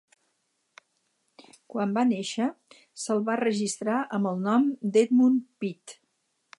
Quan va néixer se"l va registrar amb el nom d"Edmund Peat.